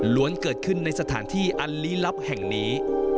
เกิดขึ้นในสถานที่อันลี้ลับแห่งนี้